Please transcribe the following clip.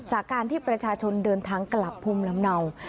จากการที่ประชาชนเดินทางกลับภูมิลำเนา